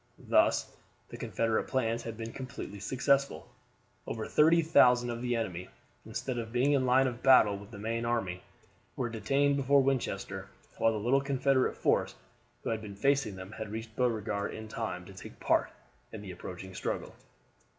Thus the Confederate plans had been completely successful. Over 30,000 of the enemy, instead of being in line of battle with the main army, were detained before Winchester, while the little Confederate force who had been facing them had reached Beauregard in time to take part in the approaching struggle.